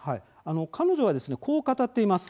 彼女はこう語っています。